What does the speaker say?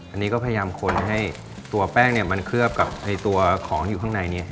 อันนี้ก็พยายามคนให้ตัวแป้งมันเคลือบกับตัวของอยู่ข้างในนี้